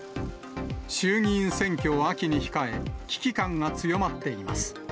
衆議院選挙を秋に控え、危機感が強まっています。